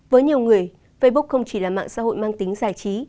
với nhiều người facebook không chỉ là mạng xã hội mang tính giải trí